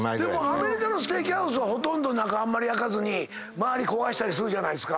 アメリカのステーキハウスはほとんど中あんまり焼かずに周り焦がしたりするじゃないですか。